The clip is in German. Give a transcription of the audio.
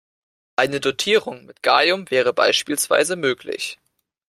Eine Dotierung mit Gallium wäre beispielsweise möglich.